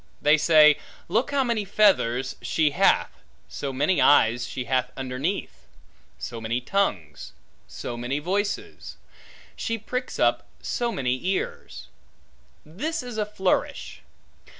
They say, look how many feathers she hath, so many eyes she hath underneath; so many tongues; so many voices; she pricks up so many ears. This is a flourish.